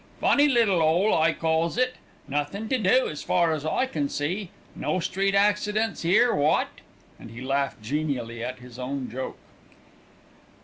"Funny little 'ole I calls it. Nothin' to do, as far as I can see. No street accidents 'ere, wot?" and he laughed genially at his own joke.